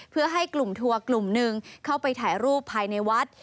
เพื่อให้กลุ่มทัวร์กลุ่มหนึ่งเข้าไปถ่ายรูปภายในวัด